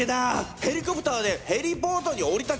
ヘリコプターでヘリポートに降り立ち